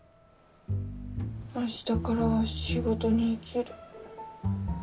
明日からは仕事に生きる。